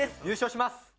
優勝します